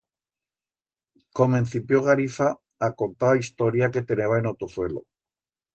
Comencipió garifa a contar a historia que teneba en o tozuelo.